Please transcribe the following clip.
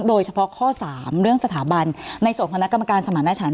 โดยเฉพาะข้อสามเรื่องสถาบันในตรงของพนักกรรมการสมรรณชัน